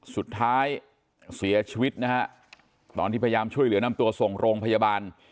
สุดท้ายเสียชีวิตนะฮะตอนที่พยายามช่วยเหลือนำตัวส่งโรงพยาบาล